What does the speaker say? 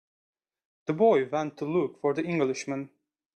The boy went to look for the Englishman.